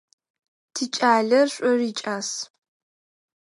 Тикӏалэ шӏур икӏас.